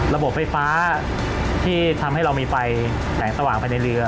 ระบบไฟฟ้าที่ทำให้เรามีไฟแสงสว่างภายในเรือ